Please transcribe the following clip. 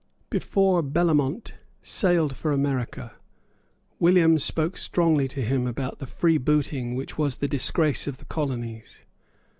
Before Bellamont sailed for America, William spoke strongly to him about the freebooting which was the disgrace of the colonies.